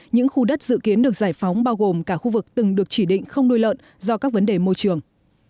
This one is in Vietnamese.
những khu đất dự kiến được giải phóng bao gồm cả khu vực từng được chỉ định không nuôi lợn do các vấn đề môi trường